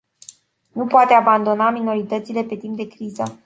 Nu poate abandona minoritățile pe timp de criză.